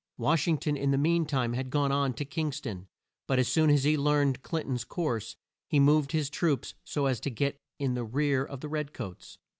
Wash ing ton in the mean time had gone on to Kings ton; but as soon as he learned Clin ton's course, he moved his troops so as to get in the rear of the red coats.